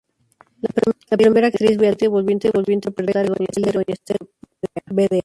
La primera actriz Beatriz Aguirre volvió a interpretar el papel de Doña Esther vda.